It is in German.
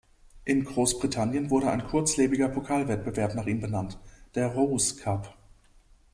In Großbritannien wurde ein kurzlebiger Pokalwettbewerb nach ihm benannt: der Rous Cup.